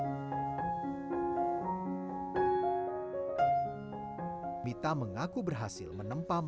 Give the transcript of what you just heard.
menteri dan mengambil uang untuk mengambil uang untuk mengambil uang untuk mengambil uang untuk